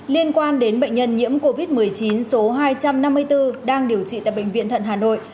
liên quan đến bệnh nhân nhiễm covid một mươi chín số hai trăm năm mươi bốn đang điều trị tại bệnh viện thận hà nội